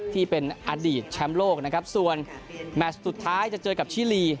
ที่เป็นอดีตแชมป์โลกนะครับส่วนแมชสุดท้ายจะเจอกับชิลี